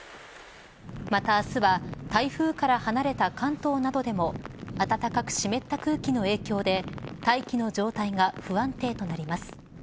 また明日は台風から離れた関東などでも暖かく湿った空気の影響で大気の状態が不安定となります。